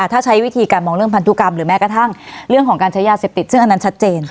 ถ้าใช้วิธีการมองเรื่องพันธุกรรมหรือแม้กระทั่งเรื่องของการใช้ยาเสพติดซึ่งอันนั้นชัดเจน